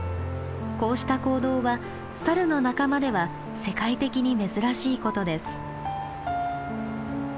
こうした行動はサルの仲間では世界的に珍しいことです。